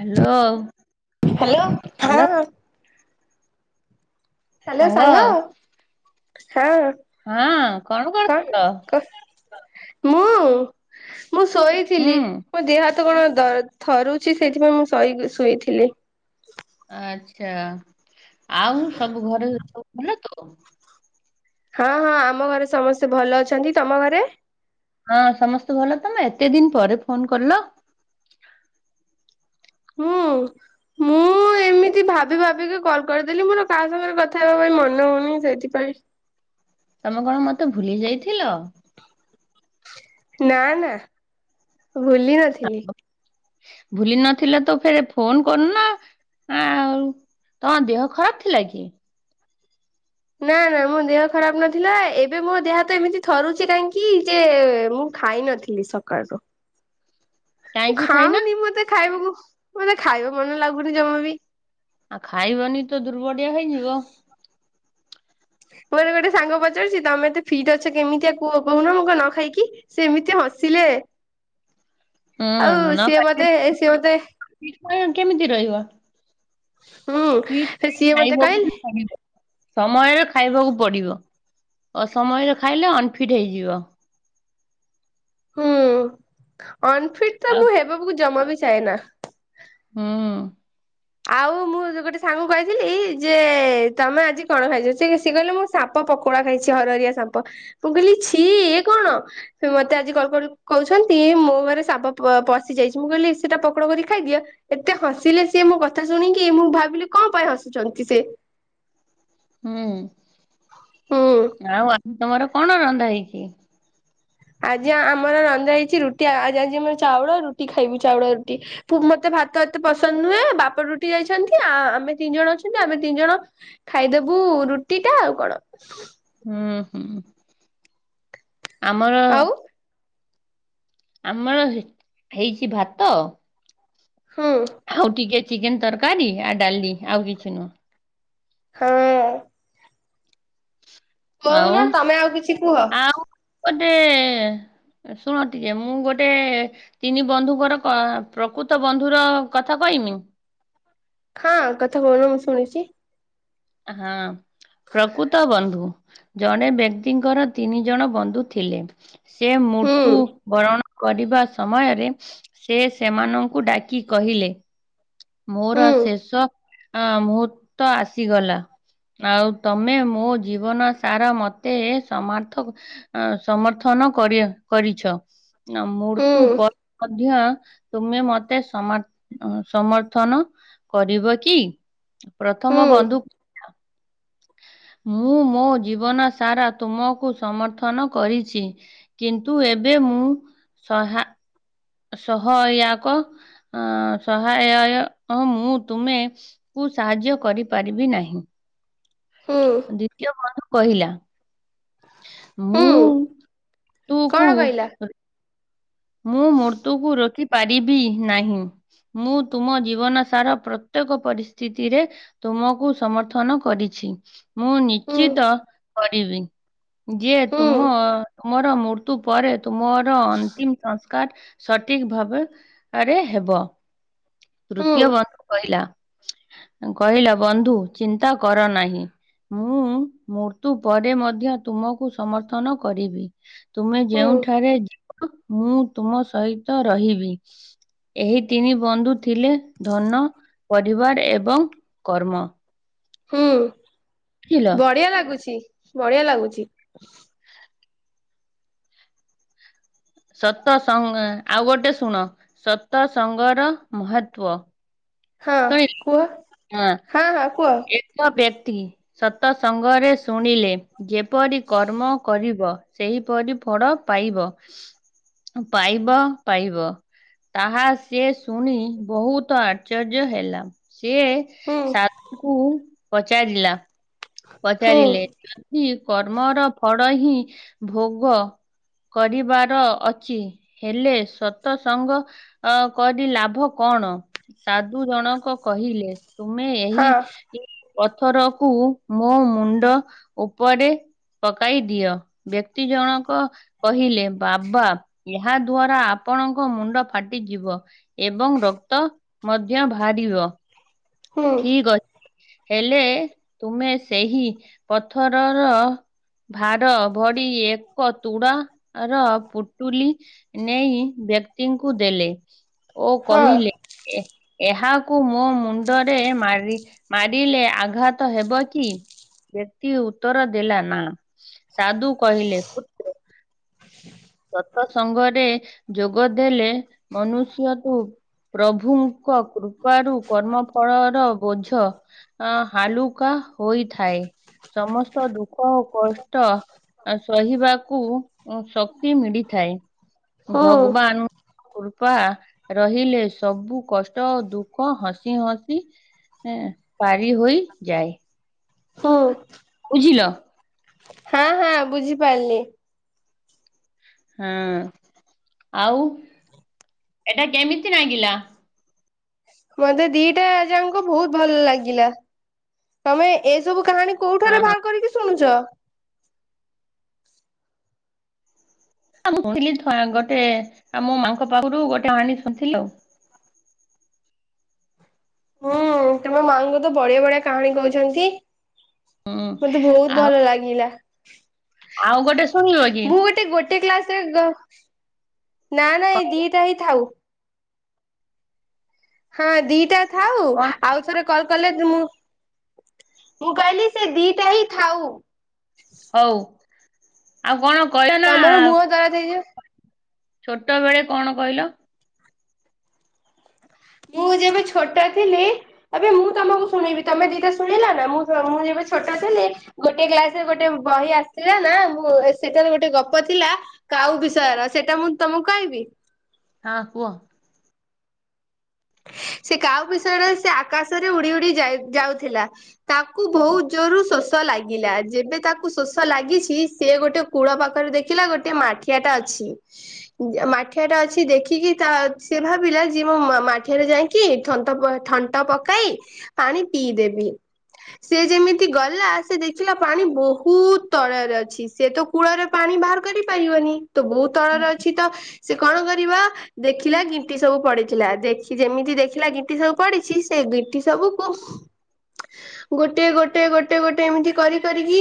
Hello. Hello ହଁ। Hello ସାଙ୍ଗ ହଁ। ହଁ କଣ କରୁଥିଲ? ମୁଁ ମୁଁ ହୁଁ ଶୋଇଥିଲି। ମୋ ଦେହ ହା ତ କଣ ଦ ଥରୁଛି ସେଇଥିପାଇଁ ମୁଁ ଶୋଇ ଗ ଶୋଇଥିଲି। ଆଛା ଆଉ ସବୁ ଘରେ ସବୁ ଭଲ ତ। ହଁ ହଁ ଆମ ଘରେ ସମସ୍ତେ ଭଲ ଅଛନ୍ତି ତମ ଘରେ? ହଁ ସମସ୍ତେ ଭଲ ତମେ ଏତେ ଦିନ ପରେ ଫୋନ୍ କଲ। ହୁଁ। ମୁଁ ଏମିତି ଭାବି ଭାବିକି କଲ୍ କରିଦେଲି ମୋର କାହା ସାଙ୍ଗେରେ କଥା ହେବା ପାଇଁ ମନ ହଉନି ସେଇଥିପାଇଁ ତମେ କଣ ମତେ ଭୁଲି ଯାଇଥିଲ? ନା ନା ଭୁଲି ନଥିଲି। ଭୁଲି ନଥିଲ ତ ଫେରେ ଫୋନ୍ କରୁନ। ଆଉ ତମ ଦେହ ଖରାପ ଥିଲା କି? ନା ନା ମୋ ଦେହ ଖରାପ ନଥିଲା ଏବେ ମୋ ଦେହ ହାତ ଏମିତି ଥରୁଚି କାଇଁକି ଯେ ମୁଁ ଖାଇନଥି ଲି ସକାଳରୁ। ମୁଁ କାହିଁକି ଖାଇନା ଖାଉନି ମତେ ଖାଇବାକୁ ମତେ ଖାଇବା ଭଲ ଲାଗୁନି ଜମା ବି। ଆଉ ଖାଇବନି ତ ଦୁର୍ବଡିଆ ହେଇଯିବ। ମୋର ଗୋଟେ ସାଙ୍ଗ ପଚାରୁଛି ତମେ ଏତେ ଫିଟ୍ ଅଛ କେମିତିଆ କୁହ କହୁନ ମୁଁ କଁ ନ ଖାଇକି। ସିଏ ଏମିତିଆ ହସିଲେ ଆଉ ସିଏ ମତେ ସିଏ ମତେ ଫିକ୍ସଟା କେମିତି ରହିବ ହୁଁ ଫିଟ୍ ସିଏ [unintelligible] ମତେ ଖାଇବକୁ ବି କହିଲେ ପଡିବ। ସମୟରେ ଖାଇବାକୁ ପଡିବ ଅସମୟରେ ଖାଇଲେ ଅନଫିଟ୍ ହେଇଯିବ। ହୁଁ। ଅନଫିଟ୍ ଆଉ ହବାକୁ ମୁଁ ଜମା ବି ଚାଏନା। ହୁଁ। ଆଉ ମୁଁ ଯୋଉ ଗୋଟେ ସାଙ୍ଗ କହିଥିଲି ଯେ ତମେ ଆଜି କଣ ଖାଇଚ ସିଏ ସିଏ କଇଲେ ମୁଁ ସାପ ପକୋଡା ଖାଇଚି ହରହରିଆ ସାପ ମୁୁଁ କଇଲି ଛି ଇଏ କଣ? ସେ ମତେ ଆଜି କଲ୍ କହୁଛନ୍ତି ମୋ ଘରେ ସାପ ପ ପଶି ଯାଇଚି ମୁଁ କହିଲି ସେଟା ପକୋଡା କରିକି ଖାଇଦିଅ। ଏତେ ହସିଲେ ସିଏ ମୋ କଥା ଶୁଣିକି ମୁଁ ଭାବିଲି କଁ ପାଇଁ ହସୁଛନ୍ତି ସେ। ହୁଁ। ହୁଁ ଆଉ ଆଜି ତମର କଣ ରନ୍ଧା ହେଇଚି? ଆଜି ଆମର ରନ୍ଧା ହେଇଚି ରୁଟି ଆ ଆ ଆଜି ଆଜି ମୁଁ ଚାଉଳ ରୁଟି ଖାଇବି ଚାଉଳ ରୁଟି। ମତେ ଭାତ ଏତେ ପସନ୍ଦ ନୁହେଁ ବାପ ଡୁଉଟି ଯାଇଛନ୍ତି ଆ ଆମେ ତିନ ଜଣ ଅଛନ୍ତି ଆମେ ତିନ ଜଣ ଖାଇଦବୁ ରୁଟିଟା ଆଉ କଣ। ହୁଁ ହୁଁ ଆମର ଆଉ ଆମର ହେ ହେଇଛି ଭାତ ହୁଁ। ହାଉ ଟିକେ ଚିକେନ ତରକାରୀ ଆଉ ଡାଲି ଆଉ କିଛି ନୁଅଁ। ହଁ। ଆଉ କଉନ ତମେ ଆଉ କିଛି କୁହ। ଆଉ ଗୋଟେ ଶୁଣ ଟିକେ ମୁଁ ଗୋଟେ ତିନି ବନ୍ଧୁଙ୍କର କ ପ୍ରକୃତ ବନ୍ଧୁର କଥା କହିମି। ହଁ କଥା କହୁନ ମୁଁ ଶୁଣୁଛି। ହଁ। ପ୍ରକୃତ ବନ୍ଧୁ ଜଣେ ବ୍ୟକ୍ତିଙ୍କର ତିନି ଜଣ ବନ୍ଧୁ ଥିଲେ। ସେ ହୁଁ ମୂର୍ତୁ ବରଣ କରିବା ସମୟରେ ସେ ସେମାନଙ୍କୁ ଡାକି କହିଲେ ମୋର ହୁଁ ଶେଷ ଅ ମୁହୂର୍ତ ଆସିଗଲା। ଆଉ ତମେ ମୋ ଜୀବନ ସାର ମତେ ସମର୍ଥକ ଅ ସମର୍ଥନ କରି ଆ କରିଛ। ମୃତ୍ୟୁ ହୁଁ ପରେ ମଧ୍ୟ ତୁମେ ମତେ ସମ ସମର୍ ଥନ କରିବ କି ହୁଁ ପ୍ରଥମ ବନ୍ଧୁ ମୁଁ ମୋ ଜୀବନ ସାରା ତୁମକୁ ସମର୍ଥନ କରିଛି। କିନ୍ତୁ ଏବେ ମୁଁ ସହା ସହୟାକ ଅ ସହାୟୟ ମୁଁ ତୁମେ କୁ ସାହାଯ୍ୟ କରିପାରିବି ନାହିଁ। ସୁ ଦ୍ବୀତୀୟ ବନ୍ଧୁ କହିଲା ମୁଁ ହୁଁ ତୁକୁୁ କଣ କହିଲା ମୁଁ ମୃତ୍ୟୁକୁ ରୋକି ପାରିବି ନାହିଁ। ମୁଁ ତୁମ ଜୀବନ ସାରା ପ୍ରତ୍ୟେକ ପରିସ୍ଥିତିରେ ତୁମକୁ ସମର୍ଥନ କରିଛି। ମୁଁ ହୁଁ ନିଚିତ କରିବି ଯିଏ ହୁଁ ତୁମ ତୁମର ମୂ ତୁ ପରେ ତୁ ମୋର ଅନ୍ତିମ୍ ସସ୍କାର ସଠିକ ଭାବେ ବରେ ହେବ ହୁଁ ତୃତୀୟ ବ କହିଲା ଅ କହିଲା ବନ୍ଧୁ ଚିନ୍ତା କର ନାହିଁ। ମୁଁ-ଉ-ଉ ମୃତ୍ୟୁ ପରେ ମଧ୍ୟ ତୁମକୁ ସମର୍ଥନ କରିବି। ତୁମେ ହୁଁ ଯେଉଠାରେ ଯିବ ମୁଁ ତୁମ ସହିତ ରହିବି। ଏହି ତିନି ବନ୍ଧୁ ଥିଲେ ଧନ, ପରିବାର ଏବଂ କର୍ମ। ହୁଁ। ବୁଝିଲ ବଢିଆ ଲାଗୁଛି ବଢିଆ ଲାଗୁଛି। ସତ ସଙ୍ଗ ଆଉ ଗୋଟେ ଶୁଣ ସତ ସଙ୍ଗର ମହତ୍ଵ। ହଁ କୁହ ଶୁଣିଲି। ହଁ ହଁ କୁହ। ଏକ ବ୍ୟକ୍ତି ସତ ସଙ୍ଗରେ ଶୁଣିଲେ ଯେପରି କର୍ମ କରିବ ସେହିପରି ଫଳ ପାଇବ। ପାଇବ ପାଇବ ତାହା ସିଏ ଶୁଣି ବହୁତ ଆ ଆଶ୍ଚର୍ଯ୍ୟ ହେଲା ସିଏ ହୁଁ ସାଧୁଙ୍କୁ ପଚାରିଲା ହୁଁ ପଚାରିଲେ ଯଦି କର୍ମର ଫଳ ହିଁ ଭୋଗ କରିବାର ଅଛି ହେଲେ ସତ ସଙ୍ଗ ଅ କରି ଲାଭ କଣ? ସାଧୁ ଜଣକ କହିଲେ ତୁମେ ଏହି ହଁ ପଥରକୁ ମୋ ମୁଣ୍ଡ ଉପରେ ପକାଇ ଦିଅ। ବ୍ୟକ୍ତି ଜଣକ କହିଲେ ବାବା ଏହା ଦ୍ଵାରା ଆପଣଙ୍କ ମୁଣ୍ଡ ଫାଟିଯିବ। ଏବଂ ରକ୍ତ ମଧ୍ୟ ବାହାରିବ। ହୁଁ ଠିକ ଅଛି। ହେଲେ ତୁମେ ସେହି ପଥରର ଭାର ଭରି ଏକ ତୁଡ଼ ର ପୁଟୁଲି ନେଇ ବ୍ୟକ୍ତିଙ୍କୁ ଦେଲେ। ଓ ହଁ କହିଲେ ଏ ଏହାକୁ ମୋ ମୁ ଣ୍ଡରେ ମାରି ମାରିଲେ ଆଘାତ ହେବ କି? ବ୍ୟକ୍ତି ଉତ୍ତର ଦେଲା ନା। ସାଧୁ କହିଲେ "ପୁତ୍ର, ସତସଙ୍ଗରେ ଯୋଗ ଦେଲେ ମନୁଷ୍ୟ ତୁ ପ୍ରଭୁଙ୍କ କୃପାରୁ କର୍ମଫଳର ବୋଝ ଅ ହାଲୁକା ହୋଇଥାଏ। ସମସ୍ତ ଦୁଃଖ ଓ କଷ୍ଟ ସହିବାକୁ ଶ କ୍ତି ମିଳିଥାଏ। ହୁଁ ଭଗବାନ କୃପା ରହିଲେ ସବୁ କଷ୍ଟ ଦୁଃଖ ହସି ହସି ଏଁ ପାରି ହୋଇ ଯାଏ। ହୁଁ। ବୁଝିଲ? ହଁ ହଁ ବୁଝିପାରିଲି। ହଁ ଆଉ ଏଟା କେମିତି ନାଗିଲା? ମତେ ଦିଟା ଜାଙ୍କ ବହୁତ ଭଲ ଲାଗିଲା। ତମେ ଏସବୁ କାହାଣୀ ହଁ କୋଉଠାରୁ ବାହାର କରିକି ଶୁଣୁଚ? ଆ [unintelligible] ଗୋଟେ ଆ ମୋ ମାଙ୍କ ପାଖରୁ ଗୋଟେ କାହାଣୀ ଶୁଣିଥିଲି ଆଉ। ହୁଁ ତମ ମାଆଙ୍କୁ ତ ବଢିଆ ବଢିଆ କାହାଣୀ କହୁଚନ୍ତି। ହୁଁ। ମତେ ବହୁତ ଆଉ ଭଲ ଲାଗିଲା। ଆଉ ଗୋଟେ ଶୁଣିବ କି ମୁଁ ଗୋଟେ ଗୋଟେ କ୍ଲାସରେ ଗ ନା ନାଇ କଣ ଦିଟା ହିଁ ଥାଉ। ହଁ ଦିଟା ଥାଉ କଣ ଆଉ ଥରେ କଲ କଲେ ମୁଁ ମୁଁ କହିଲି ସେ ଦିଟା ହିଁ ଥାଉ। ହଉ ଆଉ କଣ କହିବ ନା [unintelligible] ଛୋଟବେଳେ କଣ କହିଲ? ମୁଁ ଯେବେ ଛୋଟ ଥିଲି। ଏବେ ମୁଁ ତମକୁ ଶୁଣେଇବି। ତମେ ଦିଟା ଶୁଣେଇଲନା ମୁଁ ମୁଁ ଯେବେ ଛୋଟ ଥିଲି ଗୋଟେ କ୍ଲାସ ରେ ଗୋଟେ ବହି ଆସିଥିଲା ନାଁ ସେଠାରେ ଗୋଟେ ଗପ ଥିଲା କାଉ ବିଷୟର ସେଇଟା ମୁଁ ତମକୁ କହିବି? ହଁ କୁହ। ସେ କାଉ ବିିଶୟରେ ସେ ଆକାଶରେ ଉଡି ଉଡି ଯାଏ ଯାଉଥିଲା। ତାକୁ ବହୁତ ଜୋରୁ ଶୋ ଷ ଲାଗିଲା। ଯେବେ ତାକୁ ଶୋଷ ଲାଗିଛି ସେି ଗୋଟେ କୂଳ ପାଖରେ ଦେଖିଲା ଗୋଟେ ମାଠ ଠିଆ ଟା ଅଛି। ମାଠିଆ ଟା ଅଛି ଦେଖିକି ତା ସେ ଭାବିଲା ଯିଏ ମୁଁ ମାଠିଆରେ ଯାଇ କି ଥଣ୍ଟ ପ ଥଣ୍ଟ ପକାଇ ପାଣି ପିଇଦେବି। ସେ ଯେମିତି ଗଲା ସେ ଦେଖ ଦେଖିଲା ପାଣି ବହୁତ ତଳରେ ଅଛି ସେ ତ କୂଳରେ ପାଣି ବାହାର କରିପାରିବନି। ତ ବହୁ ତଳରେ ଅଛି ତ ସେ କଣ କରିବା ଦେଖିଲା ଗିଣ୍ଟି ସବୁ ପଡିଥିଲା ଦେଖି ଯେମିତି ଦେଖ ଖିଲା ଗିଟି ସବୁ ପଡିଛି ସେ ଗିଟି ସବୁକୁ ଗୋଟେ ଗୋଟେ ଗୋଟେ ଗୋଟେ ଏମିତି କରି କରିକି।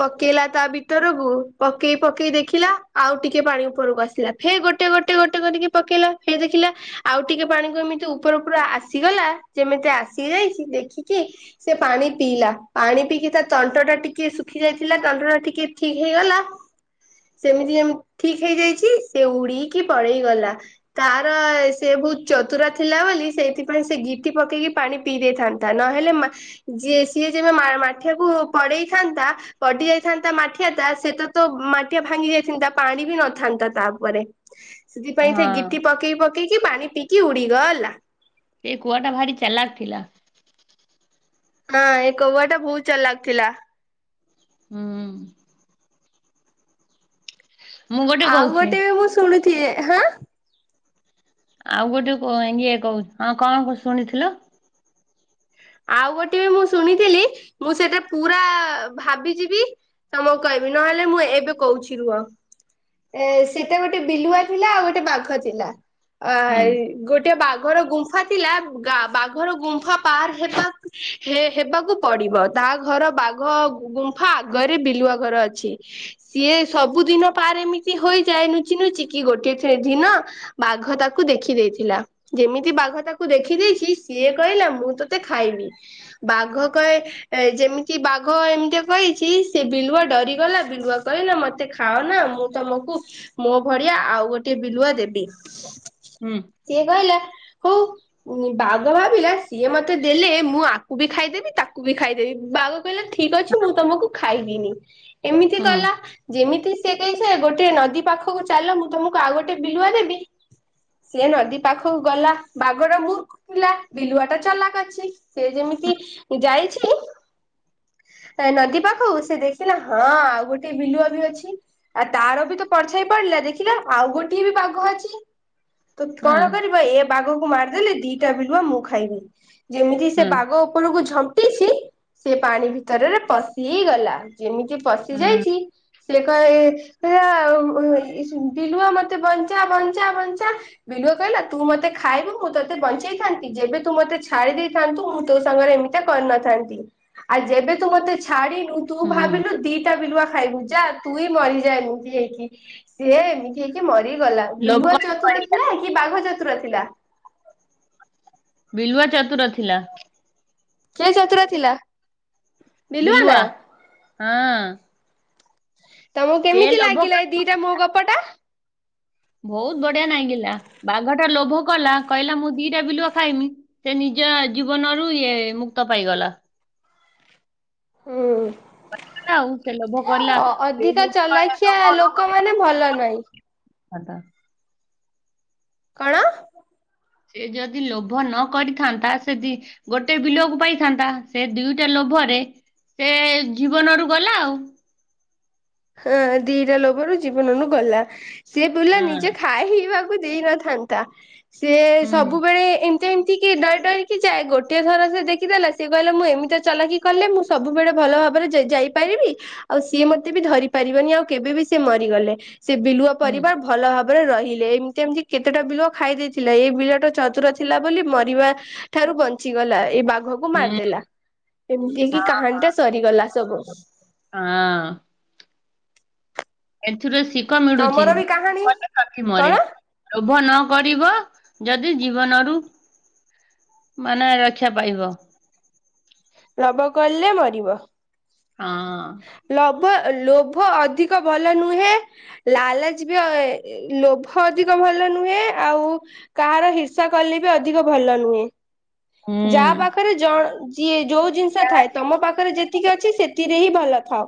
ପକେଇଲା ତା ଭିତରକୁ ପକେଇ ପକେଇ ଦେଖିଲା ଆଉ ଟିକେ ପାଣି ଉପରକୁ ଆସିଲା। ଫେ ଗୋଟେ ଗୋଟେ ଗୋଟେ କରିକି ପକେଇଲା ଫେ ଦେଖିଲା ଆଉ ଟିକେ ପାଣି କେମିତି ଉପ ଉପର ପୁରା ଆସିଗଲା ଯେମିତି ଆସି ଯାଇଛି ଦେଖିକି ସେ ପାଣି ପିଇଲା ପାଣି ପିଇକି ତା ତଣ୍ଟ ଟା ଟିକେ ଶୁଖି ଯାଇଥିଲା ତଣ୍ଟଟା ଟିକେ ଠିକ ହେଇଗଲା। ସେମିତି ଯେମ ଠିକ ହେଇଯାଇଚି ସେ ଉଡିକି ପଳେଇ ଗଲା। ତାର ସେ ବହୁତ ଚତୁର ଥିଲା ବୋଲି ସେଇଥିପାଇଁ ସେ ଗିଟି ପକେଇକି ପାଣି ପିଇ ଦେଇଥା ନ୍ତା। ନହେଲେ ମା ଯିଏ ସିଏ ଯେବେ ମାଠିଆକୁ କଡେଇଥାନ୍ତା ପଡି ଯାଇଥାନ୍ତା ମାଠିଆଟା ସେତତୋ ମାଠିଆ ଭାଙ୍ଗିଯାଇ ଥାନ୍ତା ପାଣିବି ନଥାନ୍ତା ତାଉପରେ ସେଥିପାଇଁ ହଁ ସେ ଗିଟି ପକ ଟି ପକେଇକି ପାଣି ପିଇକି ଉଡିଗଲା। ସେ କୁଆଟା ଭାରି ଚଲାକ ଥିଲା। ହଁ ଏଇ କୋଉଆଟା ବହୁତ ଚାଲାକ ଥିଲା ହୁଁ। ମୁଁ ଗୋଟେ ଆଉ କହୁଛି। ଗୋଟେବି ମୁଁ ଶୁଣୁଚି ହାଁ। ଆଉ ଗୋଟେ ଇଏ କହୁଚି ହଁ କଣ ଶୁଣିଥିଲ? ଆଉ ଗୋଟିଏ ମୁଁ ଶୁଣିଥିଲି ମୁଁ ସେଟା ପୁରା ଭାବିଚିବି ତମକୁ କହିବି ନହେଲେ ମୁଁ ଏବେ କହୁଛି ରୁହ। ଏଁ ସେଟା ଗୋଟେ ବିଲୁଆ ଥିଲା ଆଉ ଗୋଟେ ବାଘ ଥିଲା। ଆ ହୁଁ ଗୋଟେ ବାଘର ଗୁମ୍ଫାଥିଲା ବାଘର ଗୁମ୍ଫା ପାରହେବା ହେ ହେବାକୁ ପଡିବ ତା ଘର ବାଘ ଗୁମ୍ଫା ଆଗରେ ବିଲୁଆ ଘର ଅଛି। ସିଏ ସବୁ ଦିନ ପାର ଏମିତି ହୋଇଯାଏ ନୁଚି ନୁଚିକି ଗୋଟେ ଦିନ ବାଘ ତାକୁ ଦେଖି ଦେଇଥିଲା ଯେମିତି ବାଘ ତାକୁ ଦେଖିଦେଇଛି ସିଏ କହିଲା ମୁଁତ ସେ ଖାଇନି ବାଘ କହେ ଏ ଯେମିତି ବାଘ ଏମତି କହିଛି ସେ ବିଲୁଆ ଡରିଗଲା ବିଲୁଆ କହିଲା ମତେ ଖାଅନା ମୁଁ ତମକୁ ମୋ ଭଳିଆ ଆଉ ଗୋଟେ ବିଲୁଆ ଦେବି ହୁଁ ସିଏ କହିଲା ହଉ ବାଘ ଭାବିଲା ସିଏ ମ ମତେ ଦେଲେ ମୁଁ ଆକୁବି ଖାଇଦେବି ତାକୁବି ଖାଇଦେବି ବାଘ କହିଲା ଠିକ୍ ଅଛି ମୁଁ ତମକୁ ଖାଇବିନି ଏମିତି ହୁଁ। କଲା ଯେମିତି ସେ [inaudible] ଗୋଟିଏ ନଦୀ ପାଖକୁ ଚାଲ ମୁଁ ତମକୁ ଆଉ ଗୋଟେ ବିଲୁଆ ଦେବି ସେ ନଦୀ ପାଖକୁ ଗଲା ବାଘ ମୁଖ୍ ଥିଲା ବିଲୁଆଟା ଚାଲାକ ସେ ଯେମିତି ଯାଇଛି ନଦୀ ପାଖକୁ ସେ ଦେଖିଲା ହଁ ଆଉ ଗୋଟେ ବିଲୁଆବି ଅଛି। ଆଉ ତାରବିତ ପରଛାଇ ପଡିଲା ଦେଖିଲା ଆଉ ଗୋଟିଏ ବି ବାଘ ଅଛି। ତ ହୁଁ କଣ କରିବ ଏ ବାଘକୁ ମାରିଦେଲେ ଦିଟା ବିଲୁଆ ମୁଁ ଖାଇବି ଯେମିତି ସେ ହୁଁ ବାଘ ଉପରକୁ ଝମ ଝମ୍ପିଛି ସେ ପାଣି ଭିତରରେ ପଶିଗଲା ଯେମିତି ପଶି ହୁଁ ଯାଇଛି ସେ କହେ ସେଇଆ ବିଲୁଆ ମତେ ବଞ୍ଚା ବଞ୍ଚା ବଞ୍ଚା ବିଲୁଆ କହିଲା ତୁ ମତେ ଖାଇବୁ ମୁଁ ତୋତେ ବଞ୍ଚେଇଥାନ୍ତି ଯେବେ ତୁ ମତେ ଛା ଛାଡିଦେଇଥାନ୍ତୁ ମୁଁ ତୋ ସାଙ୍ଗରେ ଏମିତି କରିନଥାନ୍ତି ଆଉ ଯେବେ ତୁ ମତେ ଛାଡି ନୁ ତୁ ହୁଁ ଭାବିଲୁ ଦିଟା ବିଲୁଆ ଖାଇବୁ ଯା ତୁ ମରିଯା ଏମିତି ଏଇଠି ସିଏ ହେକି ମରିଗଲା ଲୋଭ ବିଲୁଆ କଣ ଚତୁର କରିଲା? ଥିଲା କି ବାଘ ଚତୁର ଥିଲା? ବିଲୁଆ ଚତୁର ଥିଲା। କିଏ ଚତୁର ଥିଲା? ବିଲୁଆ ହଁ ତମକୁ ସେ କେମିତି ଲୋଭ ଲାଗିଲା ଏଇ ଦିଟା ମୋ ଗପଟା? ବହୁତ ବଢିଆ ନାଗିଲା ବାଘଟା ଲୋଭ କଲା କହିଲା ମୁଁ ଦିଟା ବିଲୁଆ ଖାଇମି ସେ ନିଜ ଜୀବନରୁ ଇଏ ମୁକ୍ତ ପାଇଗଲା। ହୁଁ। ଆଉ ସେ ଲୋଭ କଲା ଅ ଅଧିକା ଚାଲାଖିଆ ଲୋକମାନେ ଭଲ ନାଇଁ ସତ। କଣ? ସେ ଯଦି ଲୋଭ ନ କରିଥାନ୍ତା ସେ ଦି ଗୋଟେ ବିଲୁଆକୁ ପାଇଥାନ୍ତା ସେ ଦିଇଟା ଲୋଭରେ ସେ ଜୀବନରୁ ଗଲା ଆଉ ହଁ ଦିଟା ଲୋଭର ଜୀବନରୁୁ ଗଲା ସିଏ କହିଲା ନିଜେ ହଁ ଖାଇବାକୁ ଦେଇନଥାନ୍ତା ସିଏ ହୁଁ ସବୁବେଳେ ଯେମତି କି ଡରି ଡରିକି ଯାଏ ଗୋଟିଏ ଥର ସେ ଦେଖିଦେଲା ସେ କହିଲା ମୁଁ ଏମିତି ଚାଲାକି ଯେ କଲେ ମୁଁ ସବୁବେଳେ ଭଲ ଭାବରେ ଯାଇପାରିବି ଆଉ ସିଏ ମତେ କ ବି ଧରି ପାରିବନି ଆଉ କେବେ ବି ସେ ମରିଗଲେ ସେ ବିଲୁଆ ହୁଁ ପରିବାର ଭଲ ଭାବରେ ରହିଲେ ଏମତି ଏମତି କେତେଟା ବିଲୁଆ ଖାଇ ଦେଇଥିଲା ଏ ବିଲୁଆଟା ଚତୁର ଥିଲା ବୋଲି ମରିବା ଅ ଠାରୁ ବଞ୍ଚିଗଲା ଏଇ ବା ବାଘକୁ ହୁଁ ମାରିଦେଲା ଏମିତି କି କାହାଣୀଟା ସରିଗଲା ସବୁ। ହଁ। ଏଥିରେ ଶିଖ ମିଳୁଛି ତମର ବି କାହାଣୀ [inaudible] ମରେ। କଣ? ଲୋଭ ନ କରିବ ଯଦି ଜୀବନରୁ ମାନେ ରକ୍ଷା ପାଇବ। ଲବ କଲେ ମରିବ। ହଁ। ଲବ ଲୋଭ ଅଧିକ ଭଲ ନୁହେଁ। ଲାଲାଚବି ଏ ଲୋଭ ଅଧିକ ଭଲ ନୁହେଁ ଆଉ କାହାର ହିର୍ସା କଲେ ବି ଅଧିକ ଭଲ ନୁହେଁ। ହୁଁ ଯାହା ପାଖରେ ଜ ଯିଏ ଯୋଉ ଜିନିଷ ଥାଏ ତମ ପାଖରେ ଯେତିକି ଅଛି ସେତି ରେ ହିଁ ଭଲ ଥାଉ।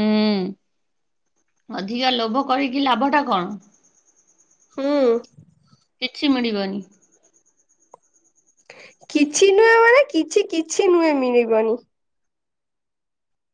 ହୁଁ ଅଧିକା ଲୋଭ କରିକି ଲାଭ ଟା କଣ। ହୁଁ। କିଛି ମିଳିବନି। କିଛି ନୁହେଁ ମାନେ କିଛି କିଛି ନୁହେଁ ମିଳିବନି।